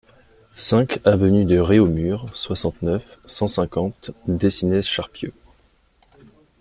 cinq avenue de Réaumur, soixante-neuf, cent cinquante, Décines-Charpieu